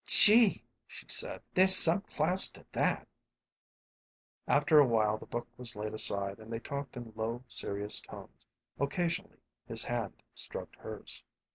"Gee!" she said. "There's some class to that." After a while the book was laid aside and they talked in low, serious tones; occasionally his hand stroked hers.